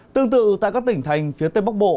tương tự tại các tỉnh thành phía tây bắc bộ